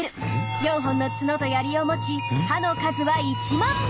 ４本のツノとヤリを持ち歯の数は１万本。